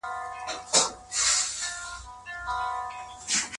هيڅوک حق نلري، چي د خاوند او ميرمني شخصي ژوند ته صدمه ورسوي.